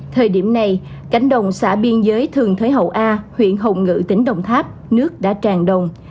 thời điểm này cánh đồng xã biên giới thường thới hậu a huyện hồng ngự tỉnh đồng tháp nước đã tràn đồng